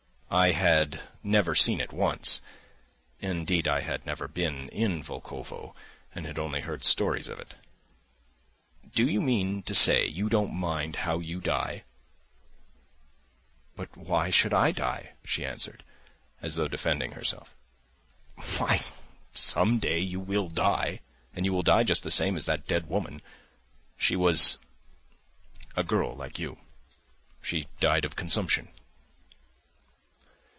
(I had never seen it once, indeed I had never been in Volkovo, and had only heard stories of it.) "Do you mean to say, you don't mind how you die?" "But why should I die?" she answered, as though defending herself. "Why, some day you will die, and you will die just the same as that dead woman. She was ... a girl like you. She died of consumption."